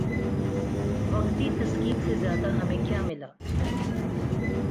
وقتی تسکین سے زیادہ ہمیں کیا ملا؟